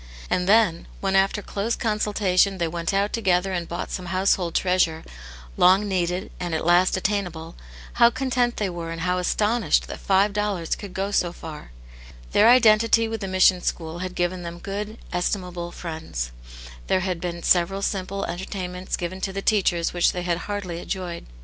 And then, when after close consultation they went out together and bought some household treasure, long needed and at last attainable, how content they were and ~ how astonished that five obllars could go so far] * Their identity with the Mission school had given tliem good, estimable friends ; there had been several simple entertainments given to the teachers which ttiey had heartily enjoyed.